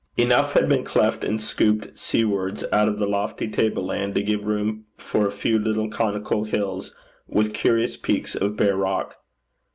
Enough had been cleft and scooped seawards out of the lofty table land to give room for a few little conical hills with curious peaks of bare rock.